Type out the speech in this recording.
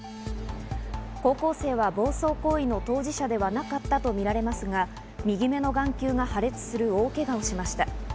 高校生は暴走行為の当事者ではなかったとみられますが右目の眼球が破裂する大けがをしました。